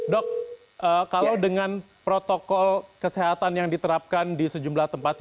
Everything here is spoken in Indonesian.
dok kalau dengan protokol kesehatan yang diterapkan di sejumlah tempat